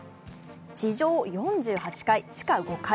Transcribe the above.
地上４８階、地下５階。